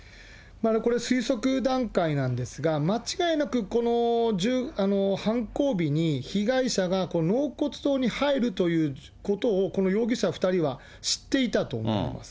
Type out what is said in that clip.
これ、推測段階なんですが、間違いなくこの犯行日に被害者がこの納骨堂に入るということを、この容疑者２人は知っていたと思います。